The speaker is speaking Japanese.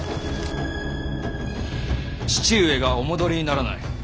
父上がお戻りにならない。